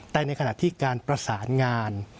แต่ในขณะที่การประสานงาน